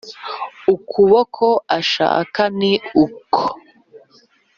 Ukuboko ashaka ni uko